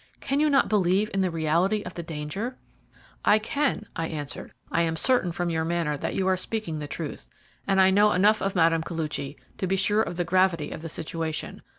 Can you not believe in the reality of the danger?" "I can," I answered. "I am certain from your manner that you are speaking the truth, and I know enough of Mme. Koluchy to be sure of the gravity of the situation.